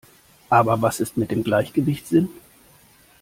Aber was ist mit dem Gleichgewichtssinn?